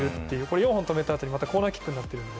４本入れたあとにコーナーキックになっているので。